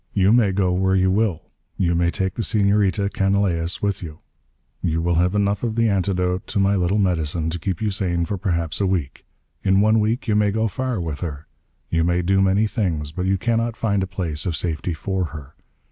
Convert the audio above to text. You may go where you will. You may take the Senorita Canalejas with you. You will have enough of the antidote to my little medicine to keep you sane for perhaps a week. In one week you may go far, with her. You may do many things. But you cannot find a place of safety for her.